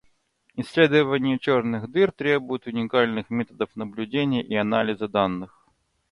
Исследование черных дыр требует уникальных методов наблюдения и анализа данных.